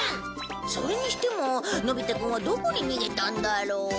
それにしてものび太くんはどこに逃げたんだろう？